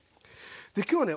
で今日はね